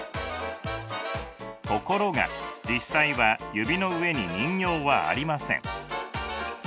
ところが実際は指の上に人形はありません。